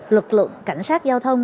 lực lượng cảnh sát giao thông